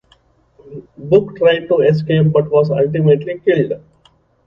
Book tried to escape, but was ultimately killed.